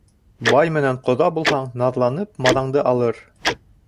Бай менән ҡоҙа булһаң, наҙланып, маҙаңды алыр